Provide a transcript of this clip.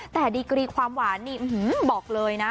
แต่ดีกรีความหวานนี่บอกเลยนะ